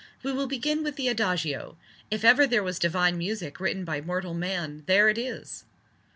"We will begin with the Adagio. If ever there was divine music written by mortal man, there it is!"